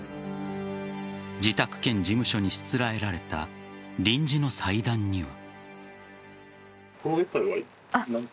自宅兼事務所にしつらえられた臨時の祭壇には。